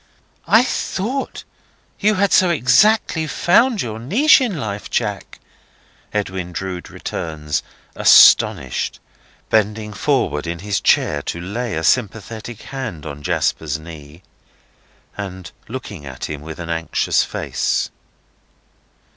"I thought you had so exactly found your niche in life, Jack," Edwin Drood returns, astonished, bending forward in his chair to lay a sympathetic hand on Jasper's knee, and looking at him with an anxious face.